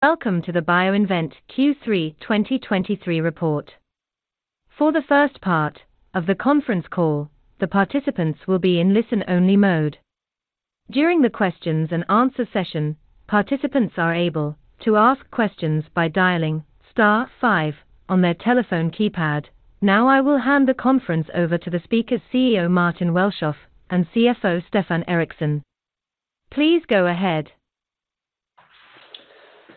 Welcome to the BioInvent Q3 2023 report. For the first part of the conference call, the participants will be in listen-only mode. During the questions and answer session, participants are able to ask questions by dialing star five on their telephone keypad. Now, I will hand the conference over to the speakers, CEO Martin Welschof and CFO Stefan Ericsson. Please go ahead.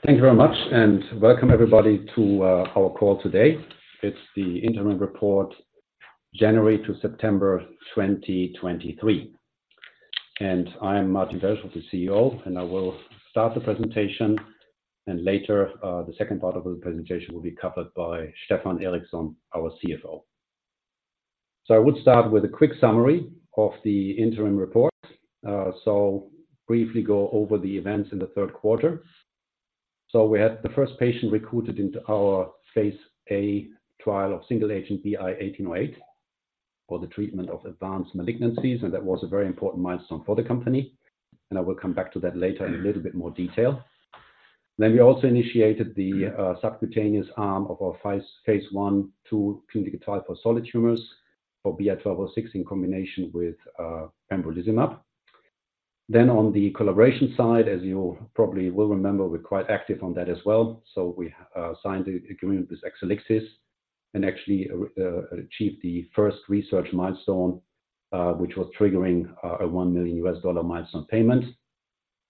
Thank you very much, and welcome everybody to our call today. It's the interim report, January to September 2023. I'm Martin Welschof, the CEO, and I will start the presentation, and later the second part of the presentation will be covered by Stefan Ericsson, our CFO. So I would start with a quick summary of the interim report. So briefly go over the events in the third quarter. So we had the first patient recruited into our phase I trial of single-agent BI-1808 for the treatment of advanced malignancies, and that was a very important milestone for the company, and I will come back to that later in a little bit more detail. Then we also initiated the subcutaneous arm of our phase I/II clinical trial for solid tumors for BI-1206 in combination with pembrolizumab. Then on the collaboration side, as you probably will remember, we're quite active on that as well. So we signed an agreement with Exelixis and actually achieved the first research milestone, which was triggering a $1 million milestone payment,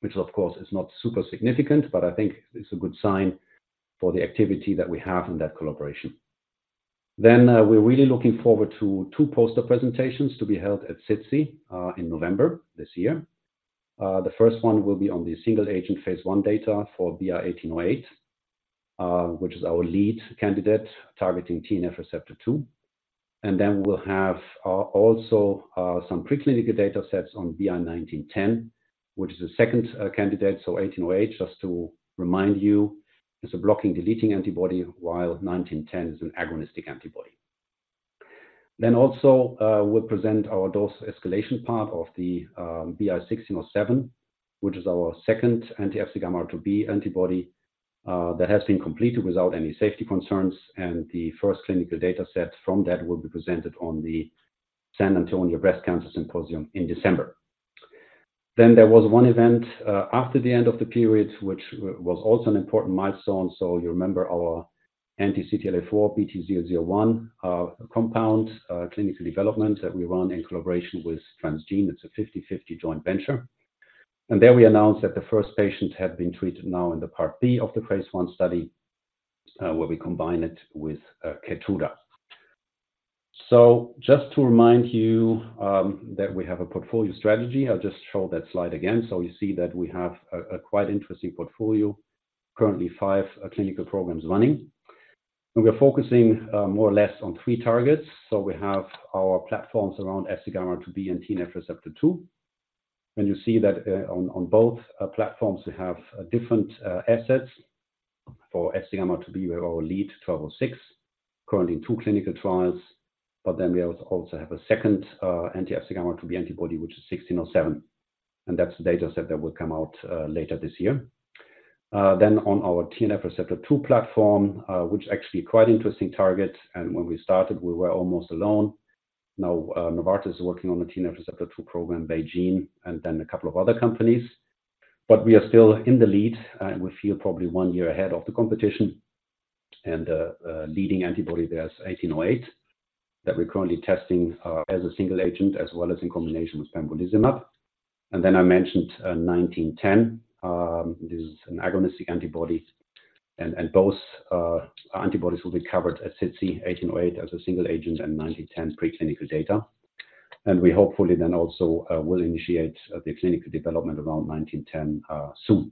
which of course is not super significant, but I think it's a good sign for the activity that we have in that collaboration. Then we're really looking forward to two poster presentations to be held at SITC in November this year. The first one will be on the single-agent phase I data for BI-1808, which is our lead candidate targeting TNF receptor 2. And then we'll have also some preclinical data sets on BI-1910, which is the second candidate. So 1808, just to remind you, is a blocking, depleting antibody, while 1910 is an agonistic antibody. Then also, we'll present our dose escalation part of the BI-1607, which is our second anti-FcγRIIB antibody, that has been completed without any safety concerns, and the first clinical data set from that will be presented on the San Antonio Breast Cancer Symposium in December. Then there was one event after the end of the period, which was also an important milestone. So you remember our anti-CTLA-4 BT-001 compound, clinical development that we run in collaboration with Transgene. It's a 50/50 joint venture. And there we announced that the first patient had been treated now in the Part B of the phase I study, where we combine it with KEYTRUDA. So just to remind you that we have a portfolio strategy. I'll just show that slide again. So you see that we have a quite interesting portfolio, currently five clinical programs running. We're focusing more or less on three targets. So we have our platforms around FcγRIIB and TNF receptor two. And you see that on both platforms, we have different assets. For FcγRIIB, we have our lead 1206, currently in two clinical trials, but then we also have a second anti-FcγRIIB antibody, which is 1607, and that's the data set that will come out later this year. Then on our TNF receptor two platform, which actually quite interesting target, and when we started, we were almost alone. Now, Novartis is working on the TNF receptor two program, BeiGene, and then a couple of other companies. But we are still in the lead, and we feel probably one year ahead of the competition. And the leading antibody, there's BI-1808, that we're currently testing as a single agent, as well as in combination with pembrolizumab. And then I mentioned BI-1910. This is an agonistic antibody, and both antibodies will be covered at SITC, BI-1808 as a single agent and BI-1910 preclinical data. And we hopefully then also will initiate the clinical development around BI-1910 soon.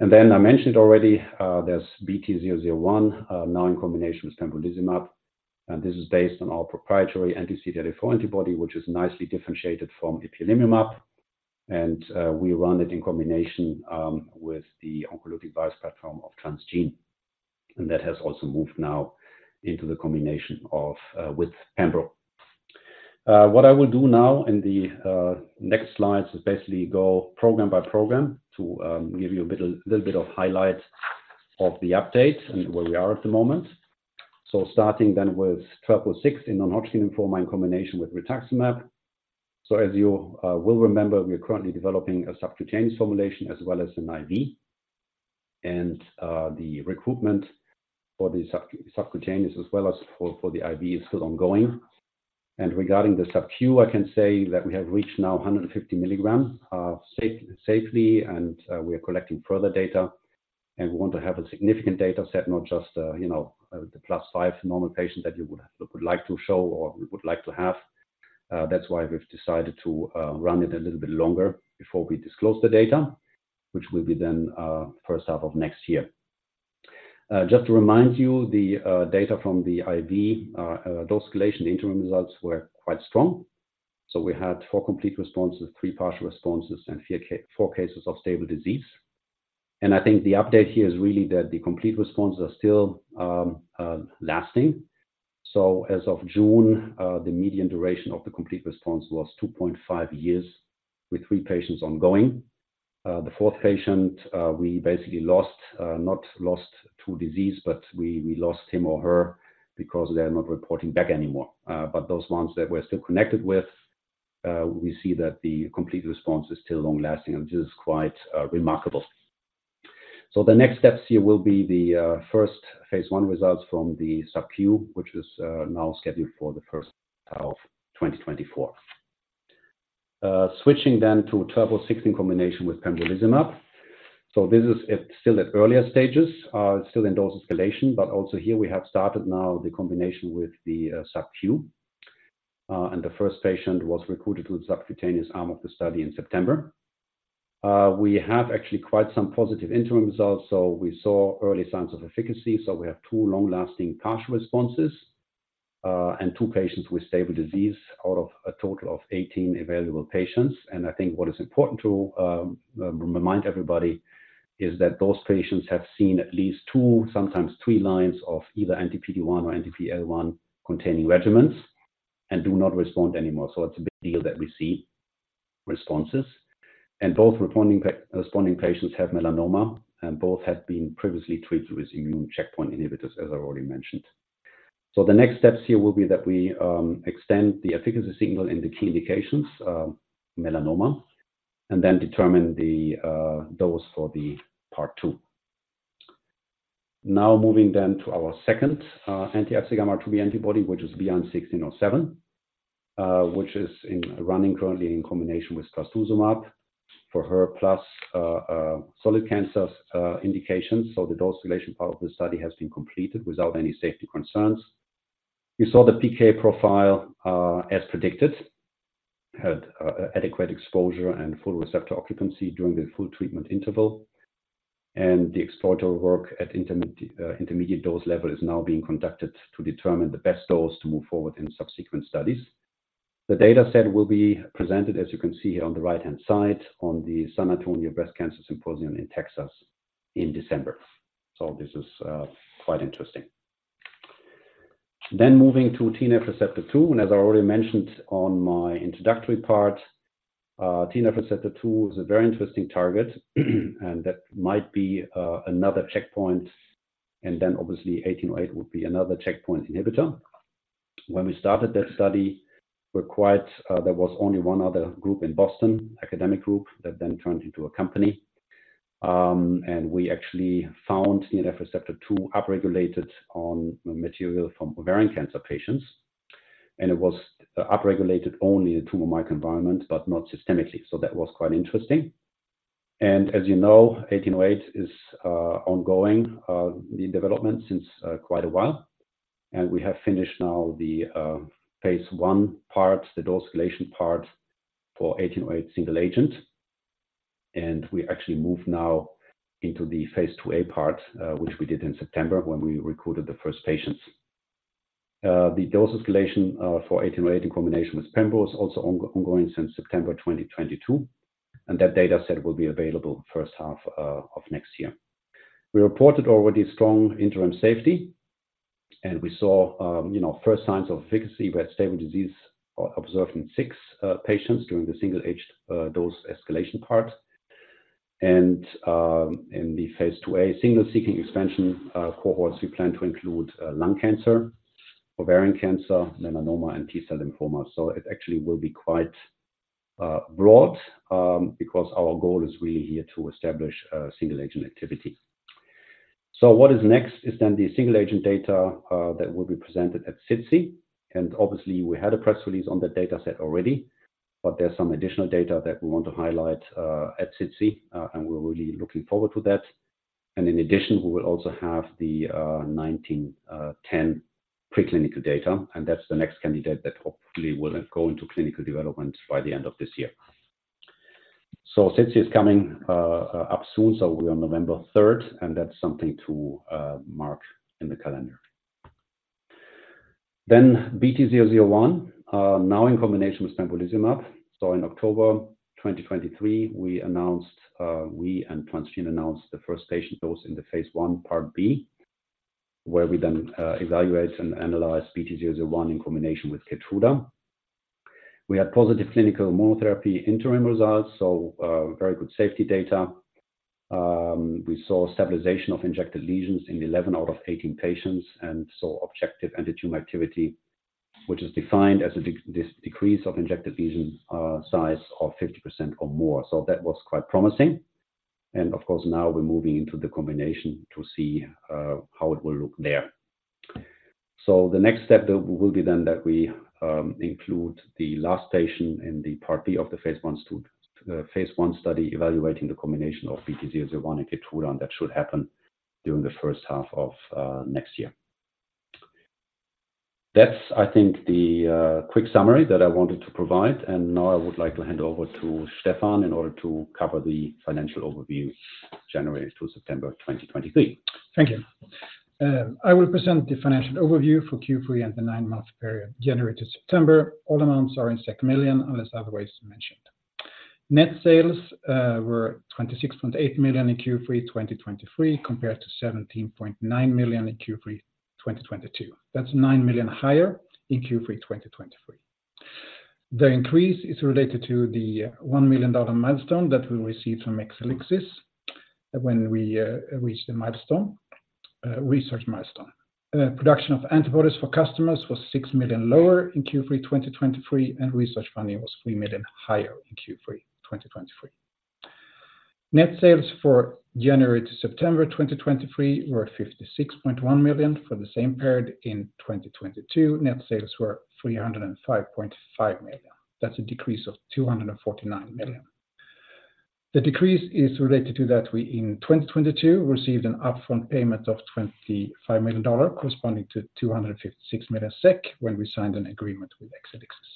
And then I mentioned already, there's BT-001 now in combination with pembrolizumab, and this is based on our proprietary anti-CTLA-4 antibody, which is nicely differentiated from ipilimumab. And we run it in combination with the oncolytic virus platform of Transgene, and that has also moved now into the combination with pembro. What I will do now in the next slides is basically go program by program to give you a little, little bit of highlight of the update and where we are at the moment. So starting then with 1206 in non-Hodgkin lymphoma in combination with rituximab. So as you will remember, we are currently developing a subcutaneous formulation as well as an IV. And the recruitment for the subcutaneous as well as for the IV is still ongoing. And regarding the subcu, I can say that we have reached now 150 milligrams safely, and we are collecting further data, and we want to have a significant data set, not just you know the +5 normal patient that you would like to show or we would like to have. That's why we've decided to run it a little bit longer before we disclose the data, which will be then first half of next year. Just to remind you, the data from the IV dose escalation interim results were quite strong. So we had four complete responses, three partial responses, and four cases of stable disease. And I think the update here is really that the complete responses are still lasting. So as of June, the median duration of the complete response was 2.5 years, with three patients ongoing. The fourth patient, we basically lost, not lost to disease, but we lost him or her because they are not reporting back anymore. But those ones that we're still connected with, we see that the complete response is still long-lasting, and this is quite remarkable. So the next steps here will be the first phase I results from the subcu, which is now scheduled for the first half of 2024. Switching then to BI-1607 combination with pembrolizumab. So this is still at earlier stages, still in dose escalation, but also here we have started now the combination with the subcu. And the first patient was recruited to the subcutaneous arm of the study in September. We have actually quite some positive interim results, so we saw early signs of efficacy. So we have two long-lasting partial responses, and two patients with stable disease out of a total of 18 available patients. I think what is important to remind everybody is that those patients have seen at least two, sometimes three lines of either anti-PD-1 or anti-PD-L1 containing regimens and do not respond anymore. So it's a big deal that we see responses. And both responding patients have melanoma, and both have been previously treated with immune checkpoint inhibitors, as I already mentioned. So the next steps here will be that we extend the efficacy signal in the key indications, melanoma, and then determine the dose for the part 2. Now, moving then to our second anti-FcγRIIB antibody, which is BI-1607, which is running currently in combination with trastuzumab for HER2-positive solid cancers, indications. So the dose escalation part of the study has been completed without any safety concerns. We saw the PK profile, as predicted, had adequate exposure and full receptor occupancy during the full treatment interval, and the exploratory work at intermediate dose level is now being conducted to determine the best dose to move forward in subsequent studies. The dataset will be presented, as you can see here on the right-hand side, on the San Antonio Breast Cancer Symposium in Texas in December. So this is quite interesting. Then moving to TNF receptor 2, and as I already mentioned on my introductory part, TNF receptor 2 is a very interesting target, and that might be another checkpoint, and then obviously, 1808 would be another checkpoint inhibitor. When we started that study, we're quite... there was only one other group in Boston, academic group, that then turned into a company. And we actually found TNF receptor 2 upregulated on material from ovarian cancer patients, and it was upregulated only in tumor microenvironment, but not systemically, so that was quite interesting. And as you know, 1808 is ongoing in development since quite a while, and we have finished now the phase I part, the dose escalation part for 1808 single agent. And we actually moved now into the phase II-A part, which we did in September, when we recruited the first patients. The dose escalation for 1808 in combination with pembro is also ongoing since September 2022, and that dataset will be available first half of next year. We reported already strong interim safety, and we saw, you know, first signs of efficacy with stable disease observed in six patients during the single-agent dose escalation part. In the phase II-A single-agent expansion cohorts, we plan to include lung cancer, ovarian cancer, melanoma, and T-cell lymphoma. So it actually will be quite broad because our goal is really here to establish a single-agent activity. So what is next is then the single-agent data that will be presented at SITC, and obviously, we had a press release on that dataset already, but there's some additional data that we want to highlight at SITC, and we're really looking forward to that. In addition, we will also have the 1910 preclinical data, and that's the next candidate that hopefully will go into clinical development by the end of this year. So SITC is coming up soon, so we're on November 3rd, and that's something to mark in the calendar. Then BT-001 now in combination with pembrolizumab. So in October 2023, we announced, we and Transgene announced the first patient dose in the phase I, part B, where we then evaluate and analyze BT-001 in combination with KEYTRUDA. We had positive clinical immunotherapy interim results, so very good safety data. We saw stabilization of injected lesions in 11 out of 18 patients, and saw objective anti-tumor activity, which is defined as a decrease of injected lesion size of 50% or more. So that was quite promising, and of course, now we're moving into the combination to see how it will look there. So the next step that will be done, that we include the last patient in the part B of the phase one study evaluating the combination of BT-001 and KEYTRUDA, and that should happen during the first half of next year. That's, I think, the quick summary that I wanted to provide, and now I would like to hand over to Stefan in order to cover the financial overview, January to September 2023. Thank you. I will present the financial overview for Q3 and the nine-month period, January to September. All amounts are in million, unless otherwise mentioned. Net sales were 26.8 million in Q3 2023, compared to 17.9 million in Q3 2022. That's 9 million higher in Q3 2023. The increase is related to the $1 million milestone that we received from Exelixis when we reached the milestone, research milestone. Production of antibodies for customers was 6 million lower in Q3 2023, and research funding was 3 million higher in Q3 2023. Net sales for January to September 2023 were 56.1 million. For the same period in 2022, net sales were 305.5 million. That's a decrease of 249 million. The decrease is related to that we, in 2022, received an upfront payment of $25 million, corresponding to 256 million SEK when we signed an agreement with Exelixis.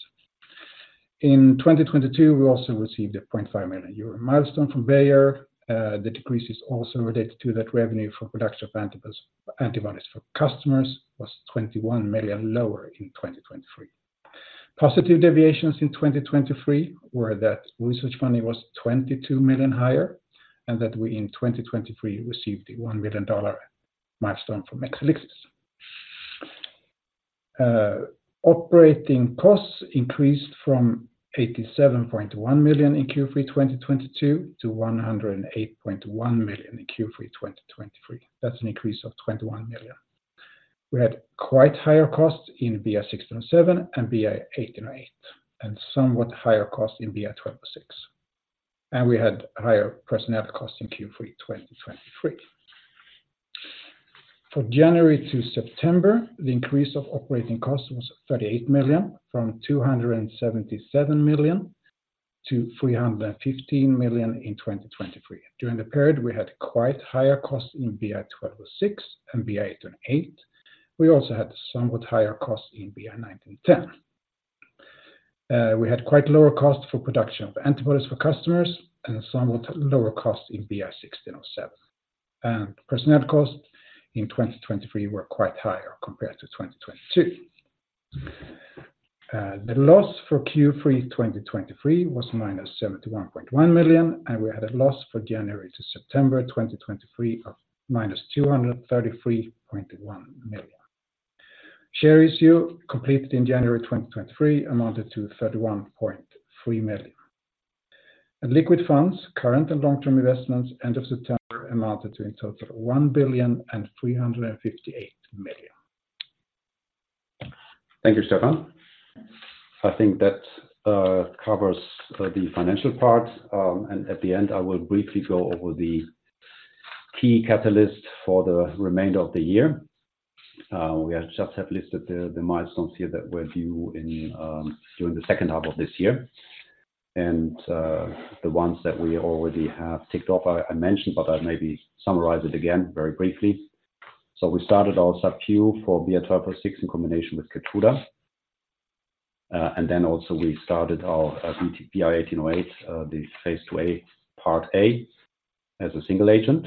In 2022, we also received a 0.5 million euro milestone from Bayer. The decrease is also related to that revenue for production of antibodies for customers was 21 million lower in 2023. Positive deviations in 2023 were that research funding was 22 million higher, and that we, in 2023, received a $1 million milestone from Exelixis. Operating costs increased from 87.1 million in Q3 2022 to 108.1 million in Q3 2023. That's an increase of 21 million. We had quite higher costs in BI-1607 and BI-1808, and somewhat higher costs in BI-1206, and we had higher personnel costs in Q3 2023. For January to September, the increase of operating costs was 38 million, from 277 million-315 million in 2023. During the period, we had quite higher costs in BI-1206 and BI-1808. We also had somewhat higher costs in BI-1910. We had quite lower costs for production of antibodies for customers and somewhat lower costs in BI-1607. Personnel costs in 2023 were quite higher compared to 2022. The loss for Q3 2023 was -71.1 million, and we had a loss for January to September 2023 of -233.1 million. Share issue completed in January 2023 amounted to 31.3 million. Liquid funds, current and long-term investments, end of September, amounted to in total 1,358 million. Thank you, Stefan. I think that covers the financial part. And at the end, I will briefly go over the key catalysts for the remainder of the year. We have just listed the milestones here that were due in during the second half of this year. And the ones that we already have ticked off, I mentioned, but I'll maybe summarize it again very briefly. We started our sub-Q for BI-1206 in combination with KEYTRUDA. And then also we started our BI-1808, the phase II-A, part A, as a single agent,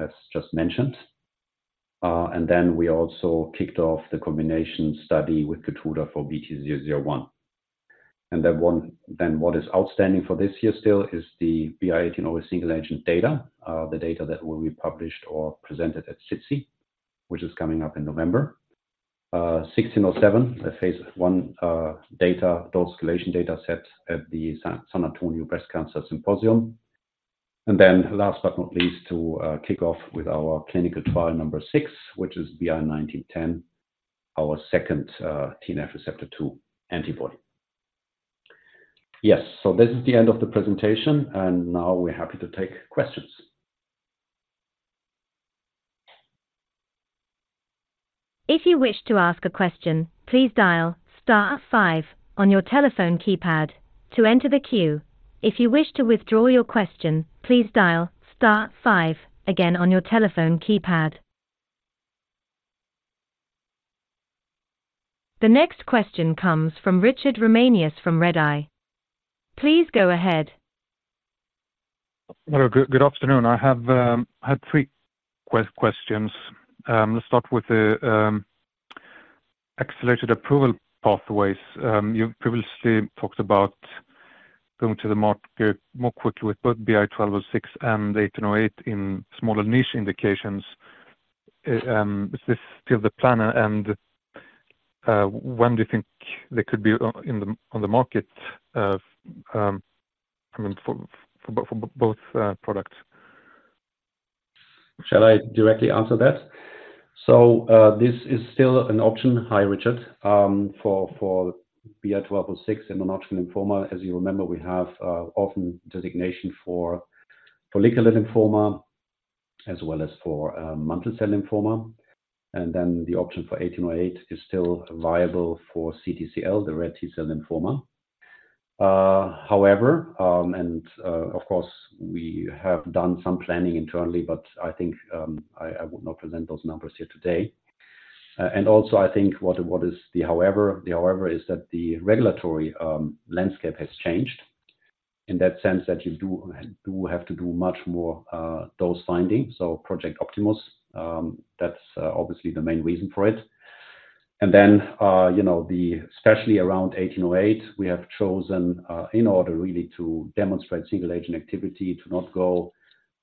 as just mentioned. And then we also kicked off the combination study with KEYTRUDA for BT-001. And then what is outstanding for this year still is the BI-1808 single agent data. The data that will be published or presented at SITC, which is coming up in November. 1607, a phase I data, dose escalation data set at the San Antonio Breast Cancer Symposium. And then last but not least, to kick off with our clinical trial number six, which is BI-1910, our second TNF receptor 2 antibody. Yes, so this is the end of the presentation, and now we're happy to take questions. If you wish to ask a question, please dial star five on your telephone keypad to enter the queue. If you wish to withdraw your question, please dial star five again on your telephone keypad. The next question comes from Richard Ramanius from Redeye. Please go ahead. Hello, good afternoon. I have three questions. Let's start with the accelerated approval pathways. You previously talked about going to the market more quickly with both BI-1206 and BI-1808 in smaller niche indications. Is this still the plan? And when do you think they could be on the market? I mean, for both products? Shall I directly answer that? So, this is still an option. Hi, Richard. For BI-1206 in non-Hodgkin lymphoma, as you remember, we have orphan designation for follicular lymphoma as well as for mantle cell lymphoma. Then the option for BI-1808 is still viable for CTCL, the rare T-cell lymphoma. However, of course, we have done some planning internally, but I think I would not present those numbers here today. And also, I think what is the however? The however is that the regulatory landscape has changed in that sense that you do have to do much more dose finding, so Project Optimus, that's obviously the main reason for it. And then, you know, the, especially around BI-1808, we have chosen, in order really to demonstrate single agent activity, to not go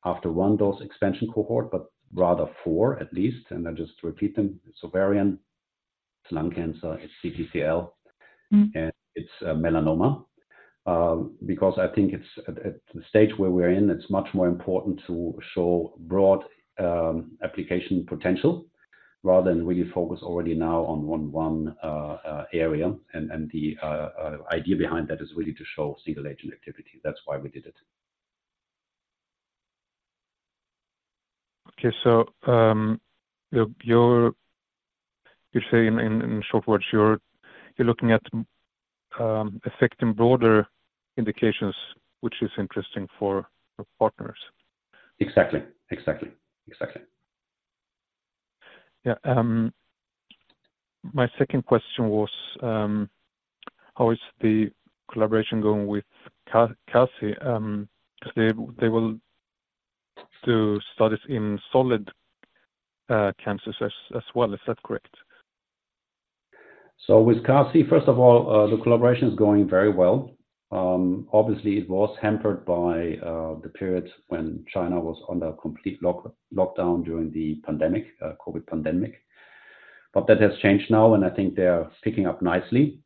after one dose expansion cohort, but rather four at least. And I'll just repeat them. It's ovarian, it's lung cancer, it's CTCL- Mm-hmm. and it's melanoma. Because I think it's at the stage where we're in, it's much more important to show broad application potential rather than really focus already now on one area. And the idea behind that is really to show single-agent activity. That's why we did it. Okay, so, you're saying in short words, you're looking at affecting broader indications, which is interesting for the partners. Exactly. Exactly. Exactly. Yeah, my second question was, how is the collaboration going with KAHR Medical? They will do studies in solid cancers as well. Is that correct? So with KAHR, first of all, the collaboration is going very well. Obviously, it was hampered by the period when China was under complete lockdown during the pandemic, COVID pandemic. But that has changed now, and I think they are picking up nicely.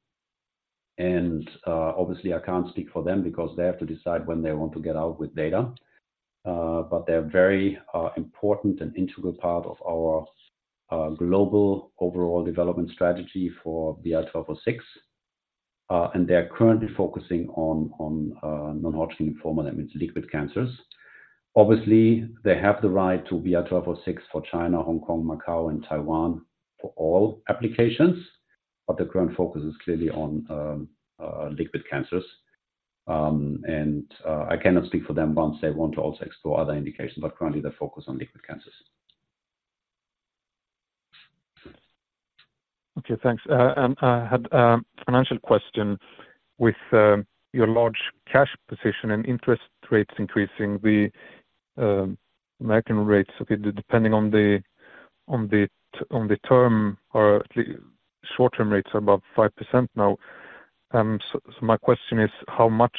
And, obviously, I can't speak for them because they have to decide when they want to get out with data. But they're very important and integral part of our global overall development strategy for BI-1206. And they are currently focusing on non-Hodgkin's lymphoma, that means liquid cancers. Obviously, they have the right to BI-1206 for China, Hong Kong, Macau, and Taiwan for all applications, but the current focus is clearly on liquid cancers. And I cannot speak for them once they want to also explore other indications, but currently, they're focused on liquid cancers. Okay, thanks. I had a financial question. With your large cash position and interest rates increasing, the American rates, okay, depending on the term or short-term rates are above 5% now. So, my question is, how much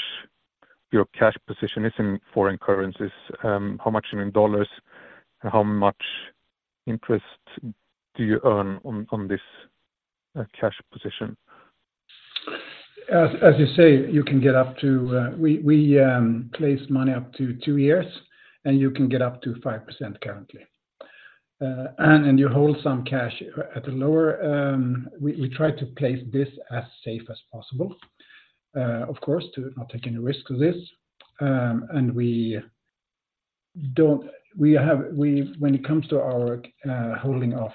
your cash position is in foreign currencies, how much in dollars, and how much interest do you earn on this cash position? As you say, you can get up to. We place money up to two years, and you can get up to 5% currently. And you hold some cash at the lower, we try to place this as safe as possible, of course, to not take any risk with this. When it comes to our holding of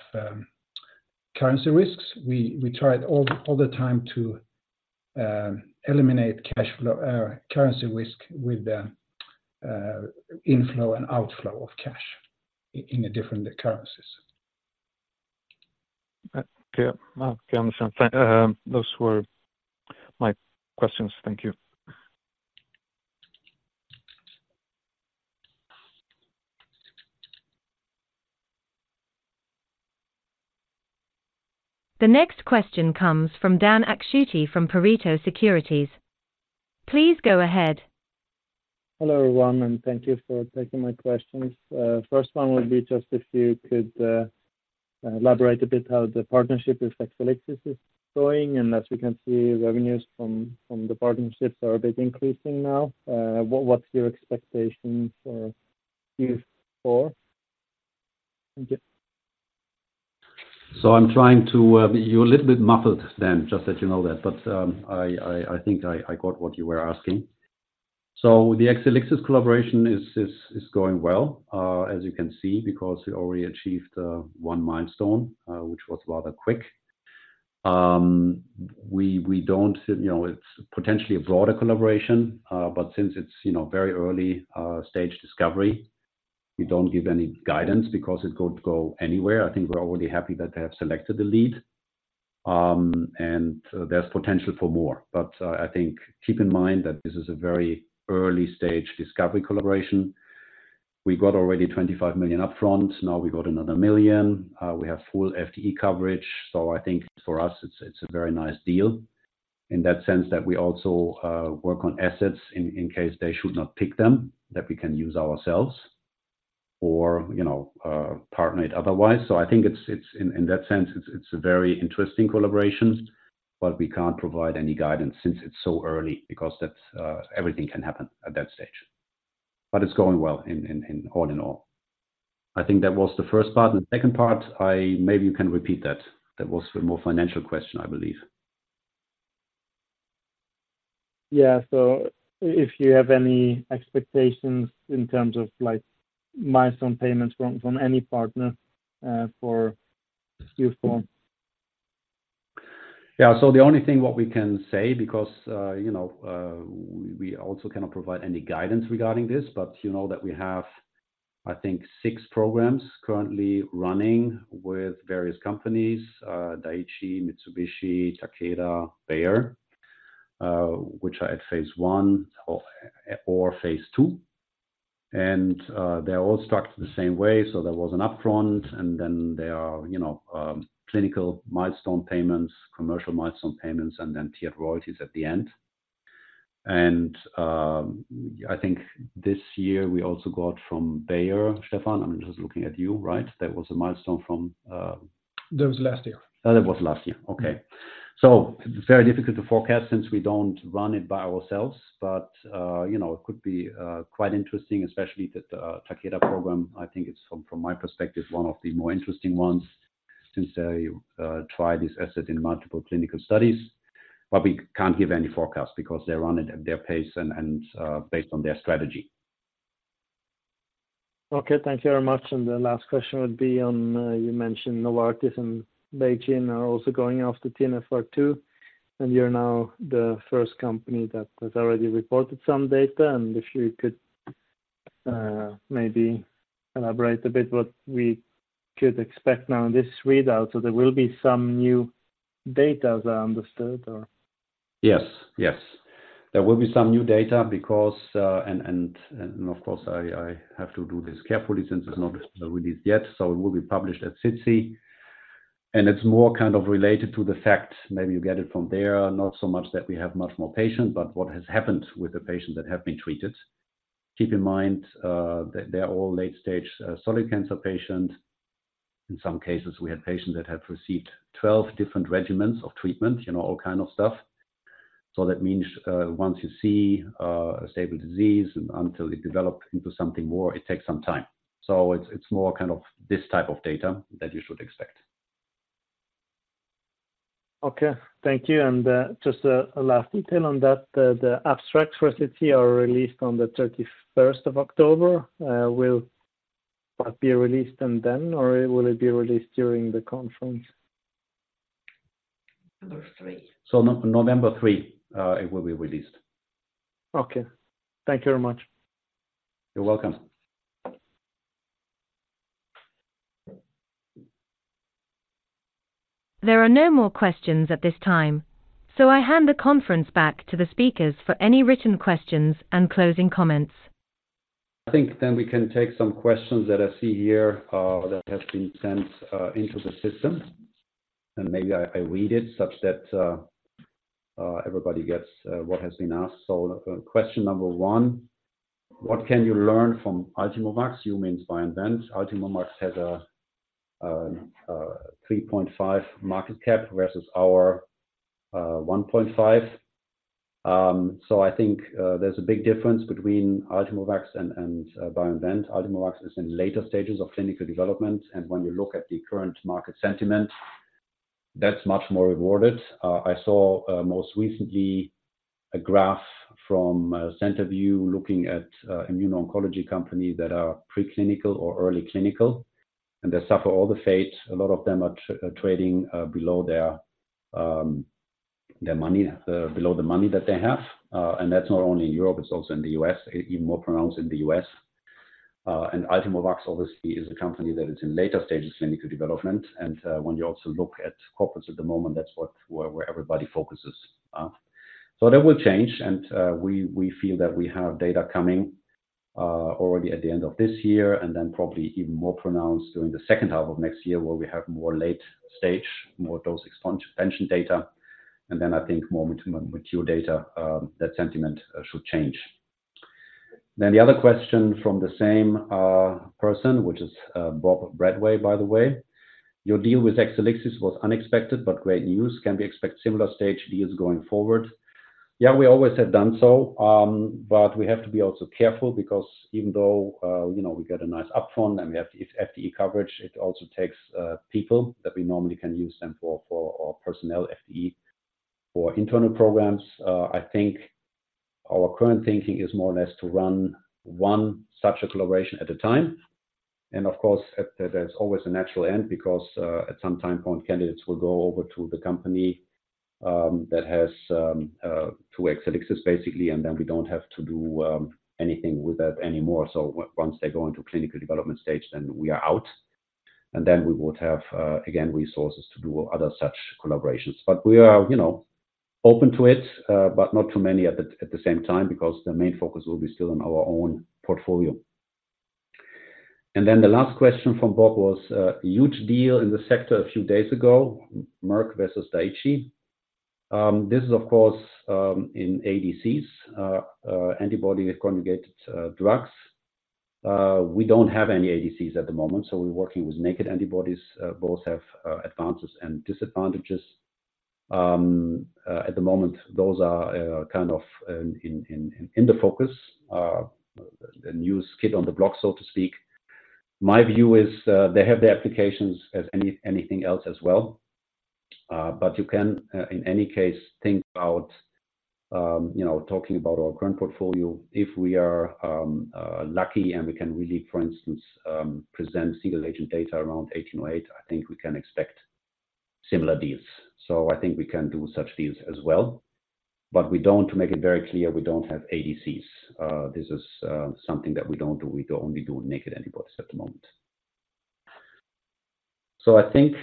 currency risks, we try it all the time to eliminate cash flow currency risk with the inflow and outflow of cash in the different currencies. Okay. Okay, I understand. Thank... Those were my questions. Thank you. The next question comes from Dan Akschuti from Pareto Securities. Please go ahead. Hello, everyone, and thank you for taking my questions. First one would be just if you could elaborate a bit how the partnership with Exelixis is going, and as we can see, revenues from the partnerships are a bit increasing now. What, what's your expectations for Q4? Thank you. So I'm trying to, you're a little bit muffled, Dan, just to let you know that. But, I think I got what you were asking. So the Exelixis collaboration is going well, as you can see, because we already achieved one milestone, which was rather quick. We don't, you know, it's potentially a broader collaboration, but since it's, you know, very early stage discovery, we don't give any guidance because it could go anywhere. I think we're already happy that they have selected the lead, and there's potential for more. But, I think keep in mind that this is a very early-stage discovery collaboration. We got already $25 million upfront, now we got another $1 million. We have full FTE coverage, so I think for us, it's a very nice deal in that sense that we also work on assets in case they should not pick them, that we can use ourselves or, you know, partner it otherwise. So I think it's in that sense a very interesting collaboration, but we can't provide any guidance since it's so early because everything can happen at that stage. But it's going well in all in all. I think that was the first part, and the second part, maybe you can repeat that. That was a more financial question, I believe. Yeah. So if you have any expectations in terms of, like, milestone payments from any partner for Q4? Yeah, so the only thing what we can say, because, you know, we also cannot provide any guidance regarding this, but you know that we have, I think, six programs currently running with various companies, Daiichi, Mitsubishi, Takeda, Bayer, which are at phase one or phase two. They're all structured the same way. So there was an upfront, and then there are, you know, clinical milestone payments, commercial milestone payments, and then tiered royalties at the end. I think this year we also got from Bayer. Stefan, I'm just looking at you, right? There was a milestone from, That was last year. Oh, that was last year. Okay. It's very difficult to forecast since we don't run it by ourselves, but you know, it could be quite interesting, especially that Takeda program. I think it's from my perspective one of the more interesting ones, since they try this asset in multiple clinical studies. We can't give any forecast because they run it at their pace and based on their strategy. Okay. Thank you very much. The last question would be on you mentioned Novartis and BeiGene are also going after TNFR2, and you're now the first company that has already reported some data. If you could maybe elaborate a bit what we could expect now in this readout. There will be some new data, as I understood, or? Yes. Yes. There will be some new data because... And of course, I have to do this carefully since it's not released yet, so it will be published at SITC. And it's more kind of related to the fact, maybe you get it from there, not so much that we have much more patients, but what has happened with the patients that have been treated. Keep in mind, they're all late-stage solid cancer patients. In some cases, we had patients that had received 12 different regimens of treatment, you know, all kind of stuff. So that means, once you see a stable disease until it developed into something more, it takes some time. So it's more kind of this type of data that you should expect. Okay. Thank you. And just a last detail on that, the abstracts for SITC are released on the thirty-first of October. Will that be released and then, or will it be released during the conference? 3. So November 3, it will be released. Okay. Thank you very much. You're welcome. There are no more questions at this time, so I hand the conference back to the speakers for any written questions and closing comments. I think we can take some questions that I see here that have been sent into the system, and maybe I read it such that everybody gets what has been asked. Question number one: What can you learn from Ultimovacs? You mean BioInvent. Ultimovacs has a 3.5 billion market cap versus our 1.5 billion. I think there's a big difference between Ultimovacs and BioInvent. Ultimovacs is in later stages of clinical development, and when you look at the current market sentiment, that's much more rewarded. I saw most recently a graph from Centerview, looking at immuno-oncology companies that are preclinical or early clinical, and they suffer all the fate. A lot of them are trading below their money, below the money that they have. And that's not only in Europe, it's also in the U.S., even more pronounced in the U.S. And Ultimovacs, obviously, is a company that is in later stages of clinical development, and when you also look at corporates at the moment, that's where everybody focuses on. So that will change, and we feel that we have data coming already at the end of this year, and then probably even more pronounced during the second half of next year, where we have more late stage, more dose expansion data, and then I think more mature data, that sentiment should change. Then the other question from the same person, which is Bob Bradway, by the way. Your deal with Exelixis was unexpected, but great news. Can we expect similar stage deals going forward? Yeah, we always have done so, but we have to be also careful because even though, you know, we get a nice upfront and we have FTE coverage, it also takes, people that we normally can use them for, for our personnel, FTE, for internal programs. I think our current thinking is more or less to run one such collaboration at a time. And of course, at, there's always a natural end because, at some time point, candidates will go over to the company, that has, to Exelixis, basically, and then we don't have to do, anything with that anymore. So once they go into clinical development stage, then we are out, and then we would have again resources to do other such collaborations. But we are, you know, open to it, but not too many at the same time, because the main focus will be still on our own portfolio. And then the last question from Bob was huge deal in the sector a few days ago, Merck versus Daiichi. This is of course in ADCs, antibody conjugated drugs. We don't have any ADCs at the moment, so we're working with naked antibodies. Both have advantages and disadvantages. At the moment, those are kind of in the focus, the new kid on the block, so to speak. My view is, they have their applications as anything else as well. But you can, in any case, think about, you know, talking about our current portfolio, if we are lucky and we can really, for instance, present single-agent data around BI-1808, I think we can expect similar deals. So I think we can do such deals as well, but we don't... To make it very clear, we don't have ADCs. This is something that we don't do. We only do naked antibodies at the moment. So I think,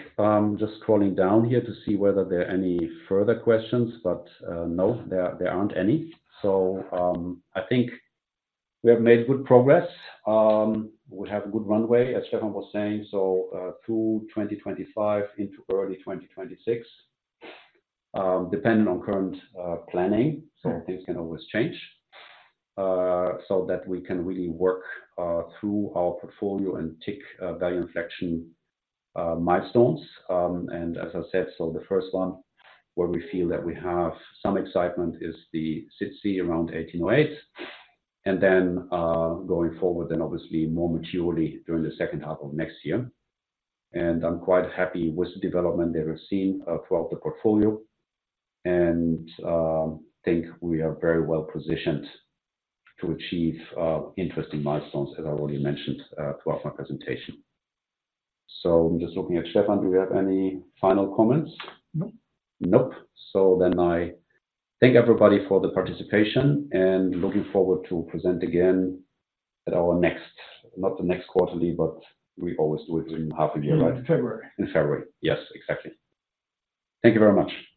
just scrolling down here to see whether there are any further questions, but no, there aren't any. So I think we have made good progress. We have a good runway, as Stefan was saying, so, through 2025 into early 2026, depending on current planning, so things can always change. So that we can really work through our portfolio and tick value inflection milestones. And as I said, so the first one where we feel that we have some excitement is the SITC around 1808, and then, going forward, then obviously more maturity during the second half of next year. And I'm quite happy with the development that we've seen throughout the portfolio, and think we are very well-positioned to achieve interesting milestones, as I already mentioned, throughout my presentation. So I'm just looking at Stefan, do you have any final comments? No. Nope. So then I thank everybody for the participation, and looking forward to present again at our next, not the next quarterly, but we always do it in half a year, right? In February. In February. Yes, exactly. Thank you very much.